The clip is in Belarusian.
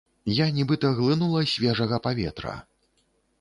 Я нібыта глынула свежага паветра.